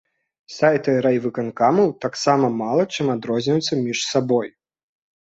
Сайты райвыканкамаў таксама мала чым адрозніваюцца між сабой.